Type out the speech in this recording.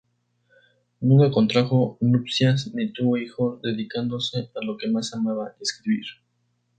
Nunca contrajo nupcias ni tuvo hijos, dedicándose a lo que más amaba: escribir.